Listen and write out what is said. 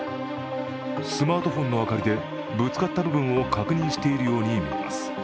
スマートフォンの明かりでぶつかった部分を確認しているように見えます。